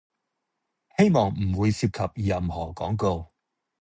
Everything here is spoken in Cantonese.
希望唔會涉及任何廣告